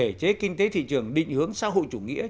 thể chế kinh tế thị trường định hướng xã hội chủ nghĩa